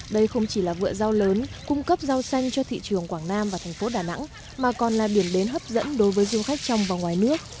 đây không chỉ là vựa rau lớn cung cấp rau xanh cho thị trường quảng nam và thành phố đà nẵng mà còn là điểm đến hấp dẫn đối với du khách trong và ngoài nước